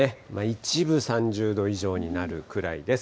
一部、３０度以上になるくらいです。